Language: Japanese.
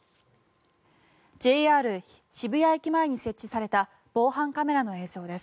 ＪＲ渋谷駅前に設置された防犯カメラの映像です。